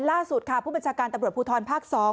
ล่าสุดค่ะผู้บัญชาการตำรวจภูทรภาค๒